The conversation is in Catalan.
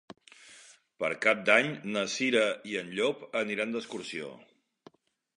Per Cap d'Any na Cira i en Llop aniran d'excursió.